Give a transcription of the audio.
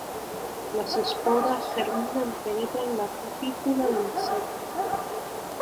Las esporas germinan y penetran la cutícula del insecto.